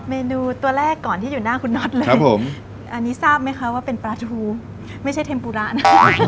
เมนูตัวแรกก่อนที่อยู่หน้าคุณน็อตเลยอันนี้ทราบไหมคะว่าเป็นปลาทูไม่ใช่เทมปูระนะ